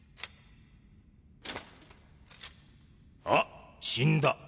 あっ死んだ。